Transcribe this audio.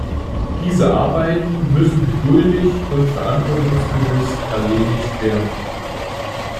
Diese Arbeiten müssen geduldig und verantwortungsbewusst erledigt werden.